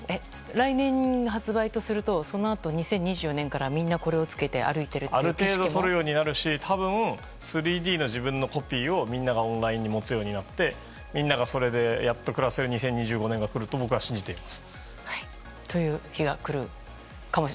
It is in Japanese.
来年発売とするとそのあと２０２４年からみんなこれを着けてそれで多分３Ｄの自分のコピーをみんながオンラインに持つようになってみんながそれでやっと暮らせる２０２５年がという日が来るかも。